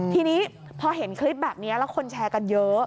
ทีนี้พอเห็นคลิปแบบนี้แล้วคนแชร์กันเยอะ